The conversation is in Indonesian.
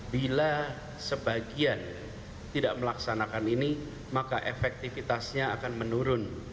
bila sebagian tidak melaksanakan ini maka efektivitasnya akan menurun